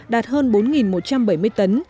đạt hơn bốn một trăm bảy mươi tấn